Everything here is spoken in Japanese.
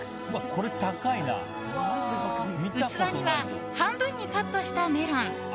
器には半分にカットしたメロン。